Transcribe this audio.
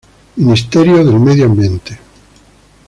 Ministerio del Medio Ambiente.